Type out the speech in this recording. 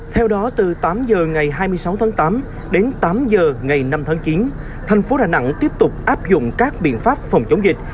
theo đó từ tám h ngày hai mươi sáu tháng tám đến tám giờ ngày năm tháng chín thành phố đà nẵng tiếp tục áp dụng các biện pháp phòng chống dịch